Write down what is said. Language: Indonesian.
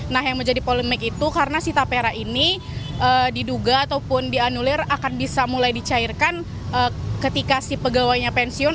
nah yang menjadi polemik itu karena si tapera ini diduga ataupun dianulir akan bisa mulai dicairkan ketika si pegawainya pensiun